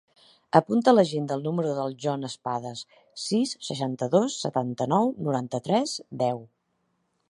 Apunta a l'agenda el número del Jon Espadas: sis, seixanta-dos, setanta-nou, noranta-tres, deu.